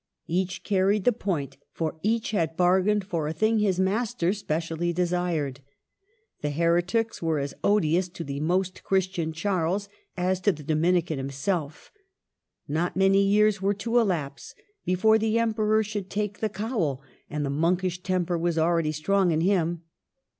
Each carried the point, for each had bargained for a thing his master specially desired. The her etics were as odious to the Most Christian Charles as to the Dominican himself Not many years were to elapse before the Emperor should take the cowl, and the monkish temper was already strong in him.